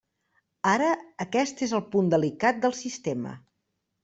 Ara, aquest és el punt delicat del sistema.